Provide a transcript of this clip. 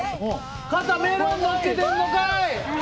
肩、メロンになってんのかい！